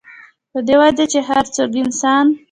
پۀ دې وجه چې هر کله انسان